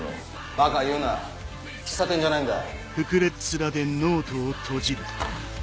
ばか言うな喫茶店じゃないんだ。